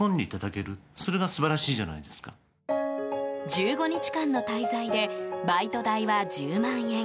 １５日間の滞在でバイト代は１０万円。